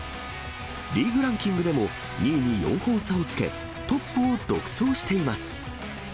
リーグランキングでも２位に４本差をつけ、トップを独走しています。